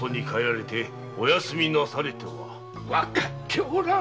分かっておらん！